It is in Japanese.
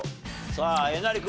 さあえなり君